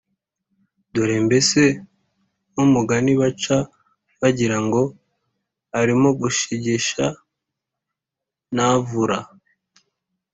Dore mbese nk’umugani baca bagira ngo “Arimo Gishegesha ntavura”